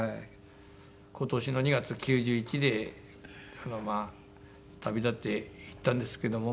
今年の２月９１でまあ旅立っていったんですけども。